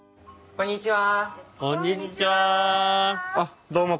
こんにちは。